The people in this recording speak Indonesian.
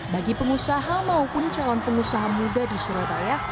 bagi pengusaha maupun calon pengusaha muda di surabaya